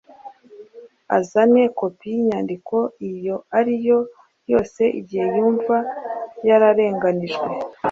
azane kopi y’inyandiko iyo ari yo yose igihe yumva yararenganyijwe